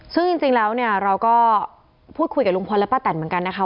ซึ่งจริงแล้วเนี่ยเราก็พูดคุยกับลุงพลและป้าแตนเหมือนกันนะคะ